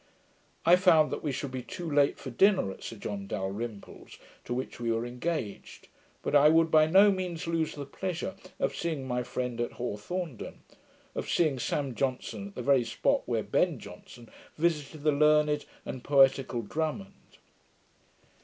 I found that we should be too late for dinner at Sir John Dalrymple's, to which we were engaged: but I would by no means lose the pleasure of seeing my friend at Hawthornden, of seeing SAM JOHNSON at the very spot where BEN JOHNSON visited the learned and poetical Drummond.